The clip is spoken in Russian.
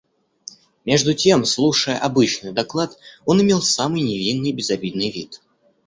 Между тем, слушая обычный доклад, он имел самый невинный, безобидный вид.